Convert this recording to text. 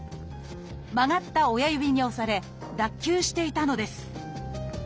曲がった親指に押され脱臼していたのです。